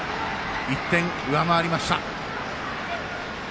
１点上回りました。